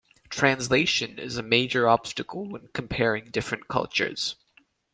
Translation is a major obstacle when comparing different cultures.